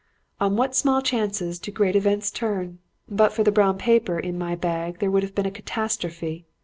"On what small chances do great events turn! But for the brown paper in my bag, there would have been a catastrophe.